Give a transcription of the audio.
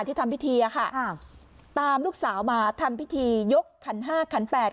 ทำพิธีอะค่ะตามลูกสาวมาทำพิธียกขันห้าขันแปด